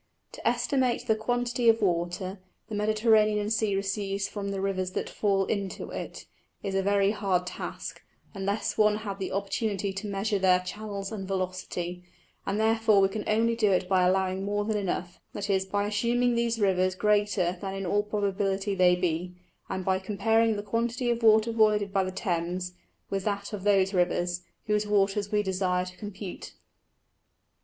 To estimate the Quantity of Water, the Mediterranean Sea receives from the Rivers that fall into it, is a very hard Task, unless one had the Opportunity to measure their Chanels and Velocity; and therefore we can only do it by allowing more than enough; that is, by assuming these Rivers greater than in all probability they be, and then comparing the Quantity of Water voided by the Thames, with that of those Rivers, whose Waters we desire to compute.